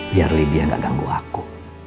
biar libya gak ganggu aku